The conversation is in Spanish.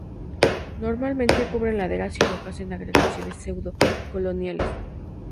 Normalmente, cubren laderas y rocas, en agregaciones pseudo-coloniales.